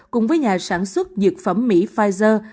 cùng với nhà sản xuất dược phẩm mỹ pfizer